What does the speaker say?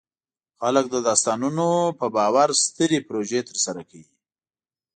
خلک د داستانونو په باور سترې پروژې ترسره کوي.